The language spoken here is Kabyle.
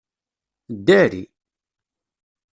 Ddari!